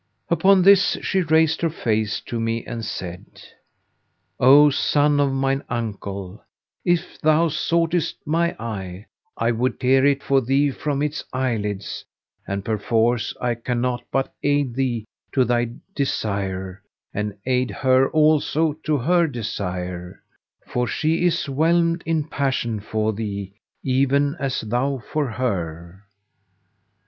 Upon this she raised her face to me and said, "O son of mine uncle, if thou soughtest my eye, I would tear it for thee from its eyelids, and perforce I cannot but aid thee to thy desire and aid her also to her desire; for she is whelmed in passion for thee even as thou for her."